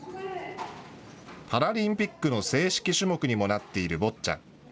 パラリンピックの正式種目にもなっているボッチャ。